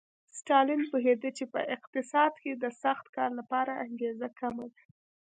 ستالین پوهېده چې په اقتصاد کې د سخت کار لپاره انګېزه کمه ده